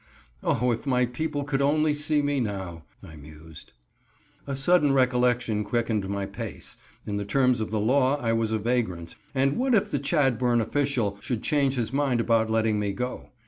"Oh, if my people could only see me now!" I mused. A sudden recollection quickened my pace in the terms of the law I was a vagrant, and what, if the Chadbourn official should change his mind about letting me go.